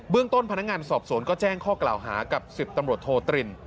ต้นพนักงานสอบสวนก็แจ้งข้อกล่าวหากับ๑๐ตำรวจโทตริน